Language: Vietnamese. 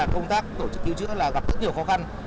công tác tổ chức cứu chữa là gặp rất nhiều khó khăn